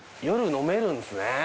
夜飲めるんすね。